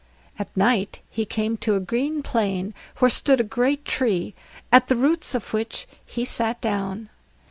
At night he came to a green plain where stood a great tree, at the roots of which he sat down.